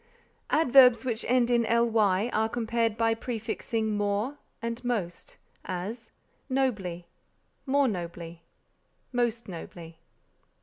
Adverbs which end in ly are compared by prefixing more and most; as, nobly, more nobly, most nobly.